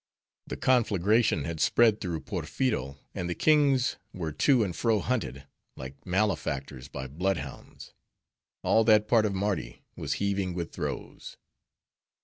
The conflagration had spread through Porpheero and the kings were to and fro hunted, like malefactors by blood hounds; all that part of Mardi was heaving with throes.